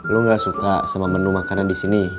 lo gak suka sama menu makanan disini